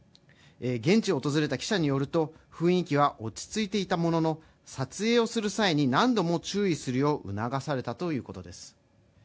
現地を訪れた記者によると、雰囲気は落ち着いていたものの、撮影をする際に何度も注意するよう促されたということです。